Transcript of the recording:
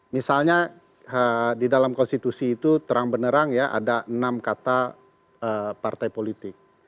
misalnya di dalam konstitusi itu terang benerang ya ada enam kata partai politik